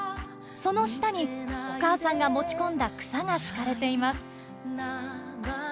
その下にお母さんが持ち込んだ草が敷かれています。